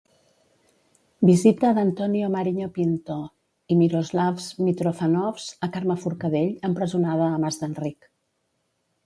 Visita d'Antonio Marinho Pinto i Miroslavs Mitrofanovs a Carme Forcadell, empresonada a Mas d'Enric.